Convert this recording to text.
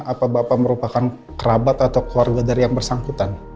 apa bapak merupakan kerabat atau keluarga dari yang bersangkutan